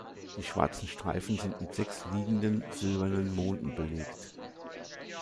Die schwarzen Streifen sind mit sechs liegenden, silbernen Monden belegt.